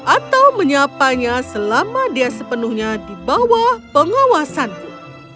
atau menyapanya selama dia sepenuhnya di bawah pengawasanku